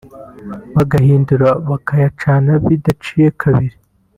bagahindukira bakayacana bidaciye kabiri